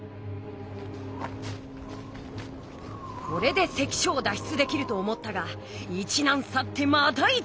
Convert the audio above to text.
これで関所を脱出できると思ったが「一難去ってまた